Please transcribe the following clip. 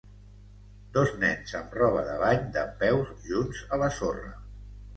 Dos nens amb roba de bany dempeus junts a la sorra.